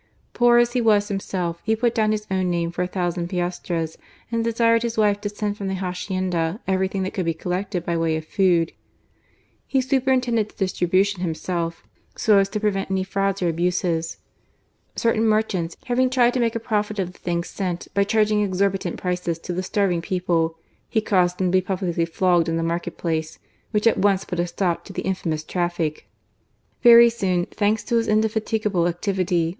Poor as he was himself, he put down his own name for a thousand piastres, and desired his wife to send from their hacienda every thing that could be collected by way of food. He superintended the distribution himself, so as to prevent any frauds or abuses. Certain merchants 190 GARCIA MORENO. tiaving tried to make a profit of the things sent by charging exorbitant i^ces to the starving people^ hB caused them to be publicly flogged in the market*^ place, which at once put a stop to the infamous ^affic .t Vexy soon, thanks to his indefatigable activity